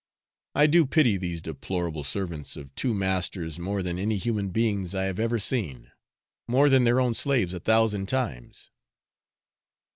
I do pity these deplorable servants of two masters more than any human beings I have ever seen more than their own slaves a thousand times!